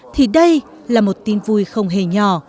thì đây là một tin vui không hề nhỏ